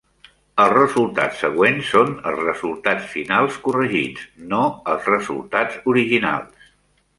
Els resultats següents són els resultats finals corregits, no els resultats originals.